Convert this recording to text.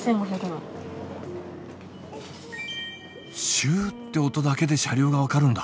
シュって音だけで車両が分かるんだ。